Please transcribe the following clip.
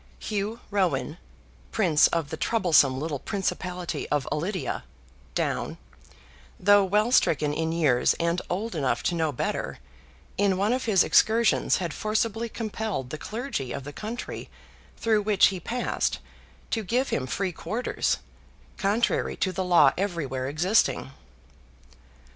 Hugh Roin, Prince of the troublesome little principality of Ulidia (Down), though well stricken in years and old enough to know better, in one of his excursions had forcibly compelled the clergy of the country through which he passed to give him free quarters, contrary to the law everywhere existing.